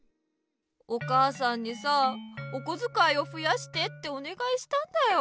お母さんにさおこづかいをふやしてっておねがいしたんだよ。